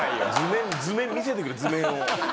図面見せてくれ図面を。